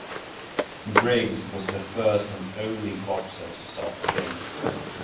Briggs was the first and only boxer to stop King.